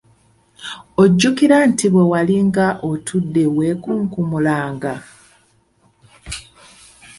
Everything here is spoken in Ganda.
Ojjukira nti we walinga otudde we wakunkumulanga.